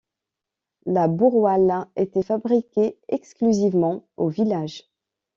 La Boroille était fabriquée exclusivement au village.